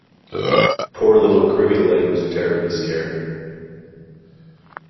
Poor little Crooked-Leg was terribly scared.